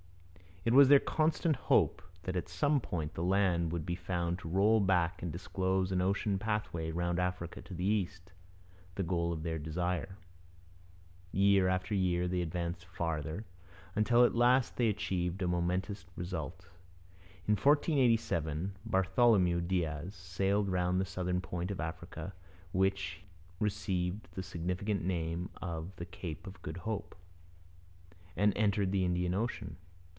It was their constant hope that at some point the land would be found to roll back and disclose an ocean pathway round Africa to the East, the goal of their desire. Year after year they advanced farther, until at last they achieved a momentous result. In 1487, Bartholomew Diaz sailed round the southern point of Africa, which received the significant name of the 'Cape of Good Hope,' and entered the Indian Ocean.